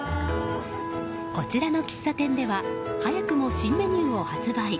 こちらの喫茶店では早くも新メニューを発売。